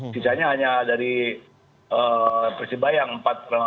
sisanya hanya dari persibayang empat regi kampung scs